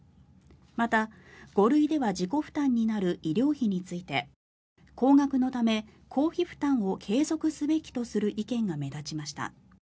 また、５類では自己負担になる医療費について高額のため、公費負担を継続すべきとする意見が目立ちました。